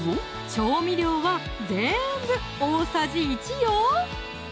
調味料はぜんぶ大さじ１よ！